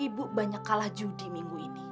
ibu banyak kalah judi minggu ini